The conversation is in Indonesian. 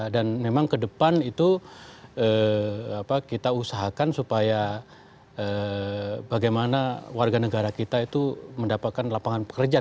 dan memang kedepan itu kita usahakan supaya bagaimana warga negara kita itu mendapatkan lapangan pekerjaan